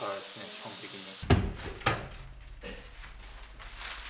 基本的に。